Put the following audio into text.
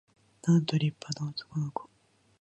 なんと立派な男の子